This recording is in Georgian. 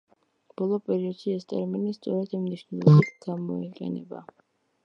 ბოლო პერიოდში ეს ტერმინი სწორედ ამ მნიშვნელობით გამოიყენება.